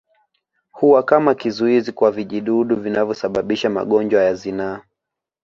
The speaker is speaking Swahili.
Huwa kama kizuizi kwa vijidudu vinavyosababisha magonjwa ya zinaa